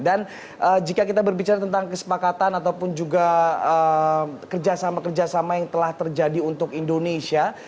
dan jika kita berbicara tentang kesepakatan ataupun juga kerjasama kerjasama yang telah terjadi untuk indonesia